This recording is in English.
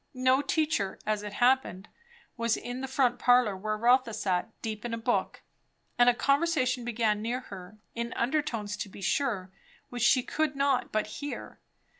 No teacher, as it happened, was in the front parlour where Rotha sat, deep in a book; and a conversation began near her, in under tones to be sure, which she could not but hear.